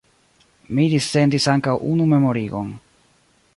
Mi dissendis ankaŭ unu memorigon.